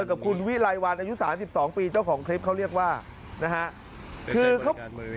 กับคุณวิลัยวันอายุ๓๒ปีเจ้าของเคล็ปเขาเรียกว่านะฮะ